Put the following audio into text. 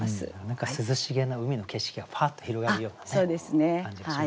何か涼しげな海の景色がパッと広がるような感じがしますね。